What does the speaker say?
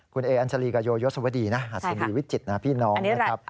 คุณเออัญชาลีกับโยยศวดีนะหัสดีวิจิตรนะพี่น้องนะครับ